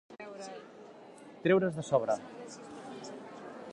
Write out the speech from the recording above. Treure's de sobre.